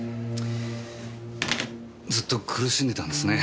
ずっと苦しんでたんですね。